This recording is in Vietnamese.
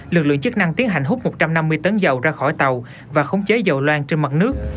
lực lượng chức năng tiến hành hút một trăm năm mươi tấn dầu ra khỏi tàu và khống chế dầu loan trên mặt nước